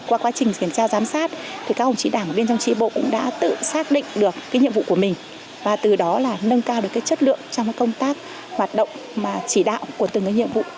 qua quá trình kiểm tra giám sát các đồng chí đảng và đồng chí trị bộ cũng đã tự xác định được nhiệm vụ của mình và từ đó nâng cao được chất lượng trong công tác hoạt động và chỉ đạo của từng nhiệm vụ